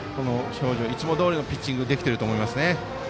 いつもどおりのピッチングができていると思います。